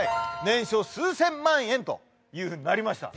「年商数千万円」というふうになりました